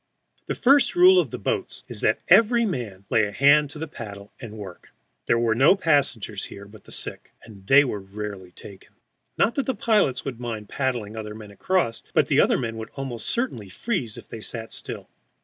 The first rule of the boats is that every man lay hand to paddle and work. There are no passengers here but the sick, and they are rarely taken. Not that the pilots would mind paddling other men across, but the other men would almost certainly freeze if they sat still.